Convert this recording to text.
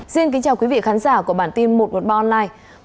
xin kính chào quý vị khán giả của bản tin một trăm một mươi ba online